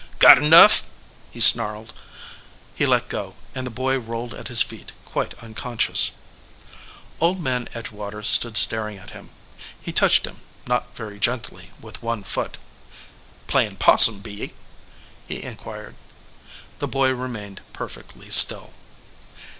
"Got nough?" he snarled. He let go, and the boy rolled at his feet quite unconscious. Old Man Edgewater stood staring at him. He touched him, not very gently, with one foot. "Playin possum, be ye?" he inquired. The boy remained perfectly still.